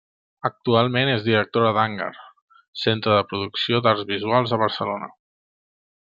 Actualment és directora d'Hangar, centre de producció d’arts visuals a Barcelona.